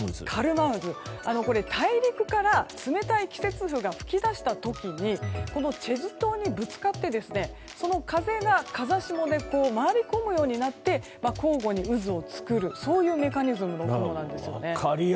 これ、大陸から冷たい季節風が吹きだした時にチェジュ島にぶつかってその風が風下で回り込むようになって交互に渦を作る、そういうメカニズムの雲なんですね。